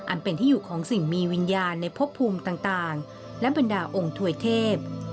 อันเป็นที่อยู่ของสิ่งมีวิญญาณในพบภูมิต่างและบรรดาองค์ถวยเทพ